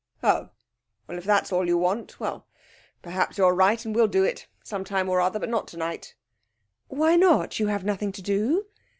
'Oh, if that's all you want well, perhaps you're right, and we'll do it, some time or other; but not tonight.' 'Why not? You have nothing to do!'